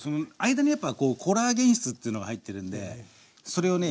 間にやっぱコラーゲン質っつうのが入ってるんでそれをね